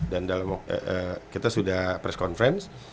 dan dalam kita sudah press conference